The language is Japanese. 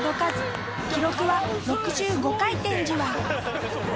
記録は６５回転じわ。